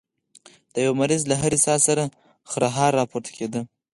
د يوه مريض له هرې ساه سره خرهار راپورته کېده.